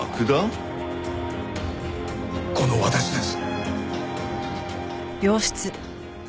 この私です。